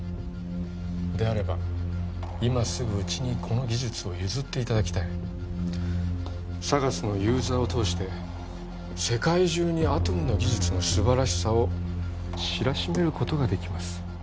であれば今すぐうちにこの技術を譲っていただきたいＳＡＧＡＳのユーザーを通して世界中にアトムの技術の素晴らしさを知らしめることができます